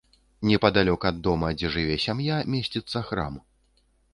Непадалёк ад дома, дзе жыве сям'я, месціцца храм.